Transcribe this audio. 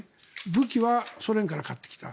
武器はソ連から買ってきた。